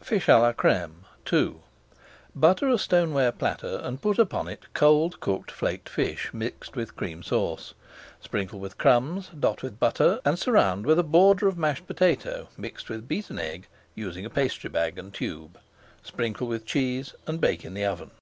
FISH À LA CRÈME II Butter a stoneware platter and put upon it cold cooked flaked fish mixed with Cream Sauce. Sprinkle with crumbs, dot with butter, and surround with a border of mashed potato mixed with beaten egg, using a pastry bag and tube. Sprinkle with cheese and bake in the oven.